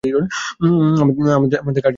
আমাদের কার্ড কি আপনাদের কাছে আছে?